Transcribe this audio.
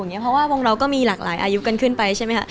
เพราะว่าวงเราก็มีหลากหลายอายุกันขึ้นไปใช่ไหมคะ